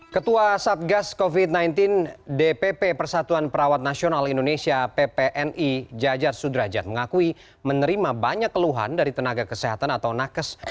ketua satgas covid sembilan belas dpp persatuan perawat nasional indonesia ppni jajar sudrajat mengakui menerima banyak keluhan dari tenaga kesehatan atau nakes